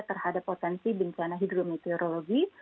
terhadap potensi bencana hidrometeorologi